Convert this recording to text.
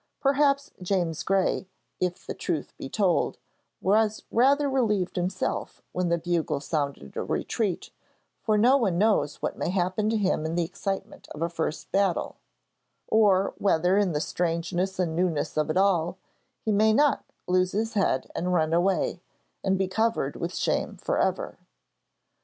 Perhaps 'James Gray,' if the truth be told, was rather relieved himself when the bugle sounded a retreat, for no one knows what may happen to him in the excitement of a first battle; or whether in the strangeness and newness of it all, he may not lose his head and run away, and be covered with shame for ever.